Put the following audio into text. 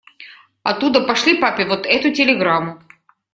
Оттуда пошли папе вот эту телеграмму.